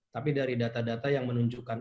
tapi dari data data yang menunjukkan